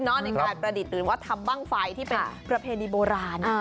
ในการประดิษฐ์หรือว่าทำบ้างไฟที่เป็นประเพณีโบราณ